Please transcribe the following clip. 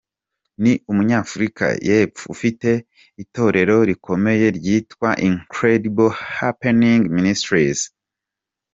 Ni umunyafrika y’Epfo ufite itorero rikomeye ryitwa Incredible Happenings Ministries.